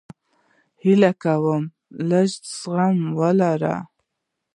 هیله کوم لږ زغم ولره